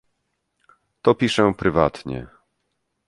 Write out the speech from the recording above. "To piszę prywatnie."